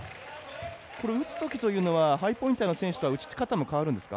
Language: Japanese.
打つときというのはハイポインターの選手とは打ち方も変わるんですか？